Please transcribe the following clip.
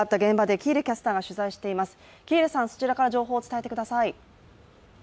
喜入さん、そちらから情報を伝えてください。